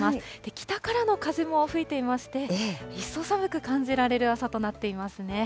北からの風も吹いていまして、一層寒く感じられる朝となっていますね。